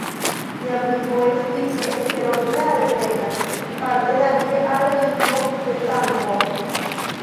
Lia vivo estis eksterordinare plena, parte danke al la lingvo de Zamenhof.